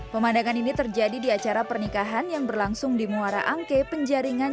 pemandangan ini terjadi di acara pernikahan yang berlangsung di muara angke penjaringan